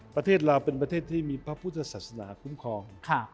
ประเทศลาวเป็นประเทศที่มีพระพุทธศาสนาคุ้มครอง